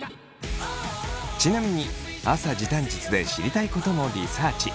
ちなみに朝時短術で知りたいこともリサーチ。